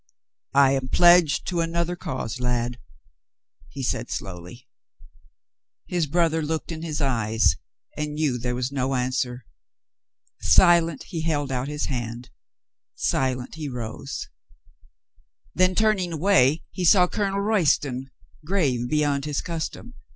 "I am pledged to another cause, lad," he said slowly. His brother looked In his eyes and knew there was no answer. Silent he held out his hand, silent he rose. Then, turning away, he saw Colonel Royston grave beyond his custom.